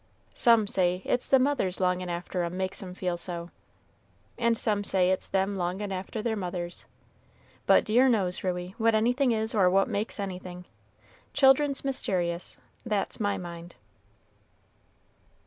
Some say it's the mothers longin' after 'em makes 'em feel so, and some say it's them longin' after their mothers; but dear knows, Ruey, what anything is or what makes anything. Children's mysterious, that's my mind."